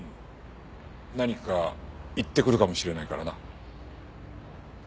何か言ってくるかもしれないからな。